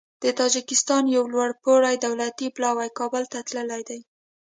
د تاجکستان یو لوړپوړی دولتي پلاوی کابل ته تللی دی.